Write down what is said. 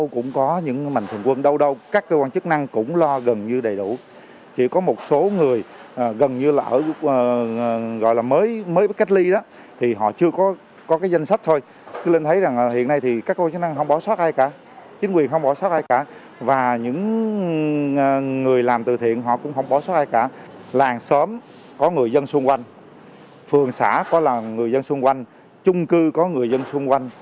có người dân xung quanh phường xã có là người dân xung quanh chung cư có người dân xung quanh